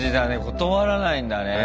断らないんだね。